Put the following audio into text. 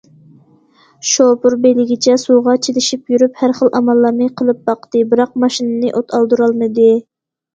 شوپۇر بېلىگىچە سۇغا چىلىشىپ يۈرۈپ ھەر خىل ئاماللارنى قىلىپ باقتى، بىراق ماشىنىنى ئوت ئالدۇرالمىدى.